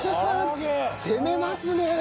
攻めますね！